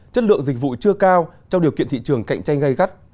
chất lượng dịch vụ chưa cao trong điều kiện thị trường cạnh tranh gây gắt